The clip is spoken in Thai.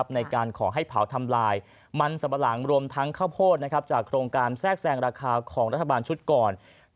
ในการขอให้เผาทำลายมันสับปะหลังรวมทั้งข้าวโพดจากโครงการแทรกแซงราคาของรัฐบาลชุดก่อน